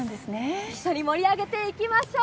一緒に盛り上げていきましょう。